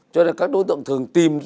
cho nên các đối tượng thường tìm